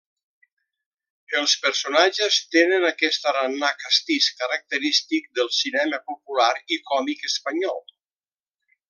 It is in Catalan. Els personatges tenen aquest tarannà castís característic del cinema popular i còmic espanyol.